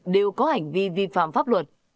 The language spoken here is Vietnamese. đều có hành vi vi phạm pháp luật